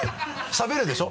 しゃべるでしょ？